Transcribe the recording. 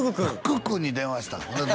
福君に電話したん？